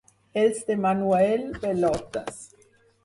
Els de Manuel, bellotes.